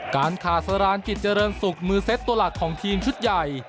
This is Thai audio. การขาดสรานกิจเจริญสุขมือเซ็ตตัวหลักของทีมชุดใหญ่